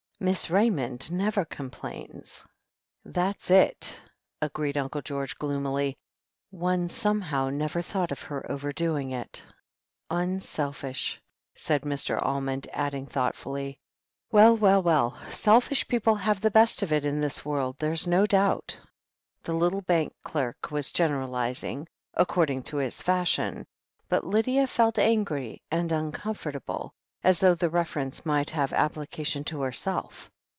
Miss Raymond never com plains." "That's it," agreed Uncle George gloomily. "One somehow never thought of her overdoing it." "Unselfish," said Mr. Almond, adding thoughfuUy: "Well, well, well, selfish people have the best of it in this world, there's no doubt." The little bank clerk was generalizing, according to his fashion, but Lydia felt angry and uncomfortable, as though the reference might have application to herself.